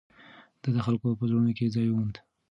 ده د خلکو په زړونو کې ځای وموند.